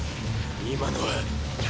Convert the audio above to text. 今のは。